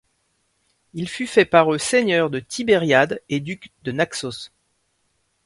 Il fut fait par eux seigneur de Tibériade et duc de Naxos.